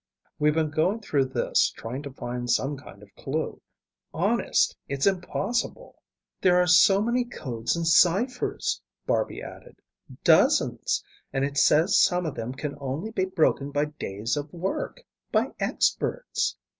"We've been going through this, trying to find some kind of clue. Honest, it's impossible." "There are so many codes and ciphers," Barby added. "Dozens. And it says some of them can only be broken by days of work, by experts."